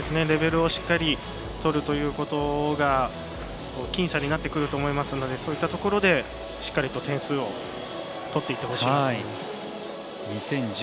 レベルをしっかりとるということが僅差になってくると思いますのでそういったところでしっかり点数を取っていってほしいなと思います。